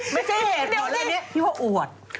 ไม่ใช่เหตุก่อนหน้านี้ที่ว่าอวด